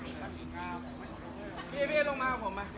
นี่คืออู๋โชงเพียงครองสุดท้าย